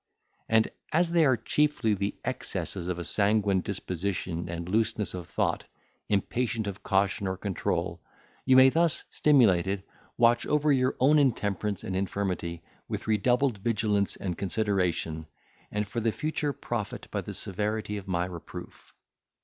And as they are chiefly the excesses of a sanguine disposition and looseness of thought, impatient of caution or control, you may, thus stimulated, watch over your own intemperance and infirmity with redoubled vigilance and consideration, and for the future profit by the severity of my reproof.